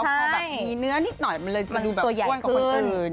พอแบบมีเนื้อนิดหน่อยมันเลยจะดูแบบตัวใหญ่อ้วนกว่าคนอื่น